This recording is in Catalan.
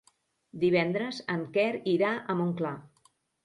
Divendres en Quer irà a Montclar.